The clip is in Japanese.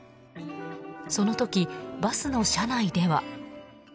その時、バスの車内では。